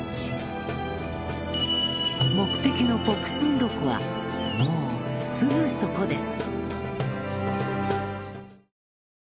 目的のポクスンド湖はもうすぐそこです。